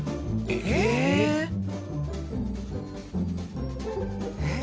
えーっ？えっ？